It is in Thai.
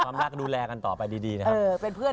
ความรักดูแลกันต่อไปดีนะครับ